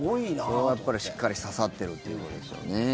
それがやっぱり、しっかり刺さってるってことですよね。